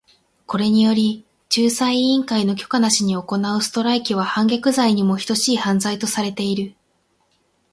これにより、仲裁委員会の許可なしに行うストライキは反逆罪にも等しい犯罪とされている。